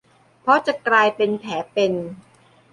เพราะจะกลายเป็นแผลเป็น